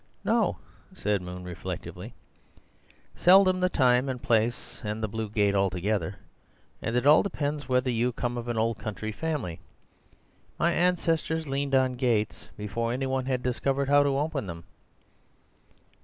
"No," said Moon reflectively. "Seldom the time and the place and the blue gate altogether; and it all depends whether you come of an old country family. My ancestors leaned on gates before any one had discovered how to open them."